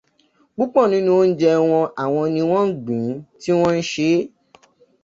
Púpọ̀ nínú oúnjẹ wọn, àwọn ni wọ́n ń gbìn-ín, tí wọ́n ń ṣeé.